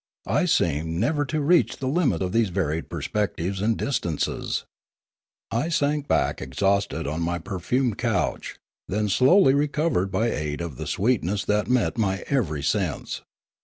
I seemed never to reach the limit of these varied perspectives and distances. I sank back exhausted on my perfumed couch, then slowly recovered by aid of the sweetness My Awakening 3 that met my every sense.